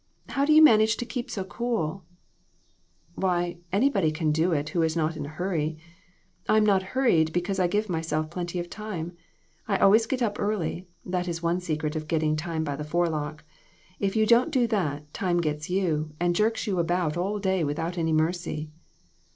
How do you manage to keep so cool ?" "Why, anybody can do it who is not in a hurry. I am not hurried, because I give myself plenty of time. I always get up early. That is one secret of getting time by the forelock. If you don't do that, time gets you, and jerks you about all day without any mercy."